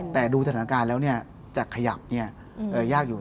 แต่ดูสถานการณ์แล้วจะขยับยากอยู่